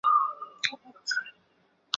马拉卡伊是巴西圣保罗州的一个市镇。